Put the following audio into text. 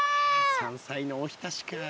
山菜のおひたしか。